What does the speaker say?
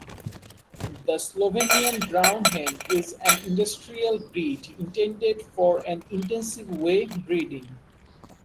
The Slovenian Brown hen is an industrial breed intended for an intensive way breeding.